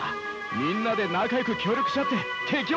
みんなで仲よく協力し合って敵を倒そう！